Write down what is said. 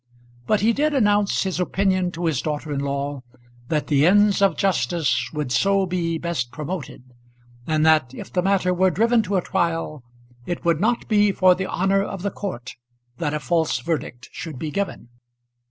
But he did announce his opinion to his daughter in law that the ends of justice would so be best promoted, and that if the matter were driven to a trial it would not be for the honour of the court that a false verdict should be given.